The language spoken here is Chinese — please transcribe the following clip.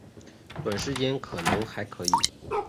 短时间可能还可以